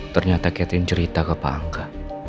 ternyata katrin cerita ke pak angga